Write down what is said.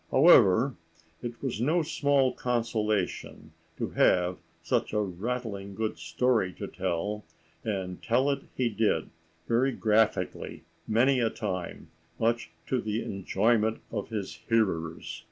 However, it was no small consolation to have such a rattling good story to tell, and tell it he did very graphically many a time, much to the enjoyment of his hearers.